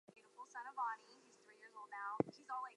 Greek cavalry herded along the procession.